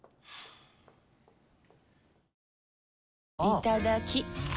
いただきっ！